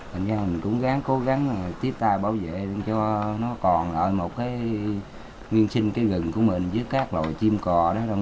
thành ra mình cũng cố gắng tiếp tay bảo vệ cho nó còn lại một cái nguyên sinh cái gừng của mình với các loài chim cò đó